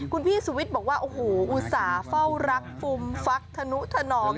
คุณพี่สุวิทย์บอกว่าโอ้โหอุตส่าห์เฝ้ารักฟุมฟักธนุธนอง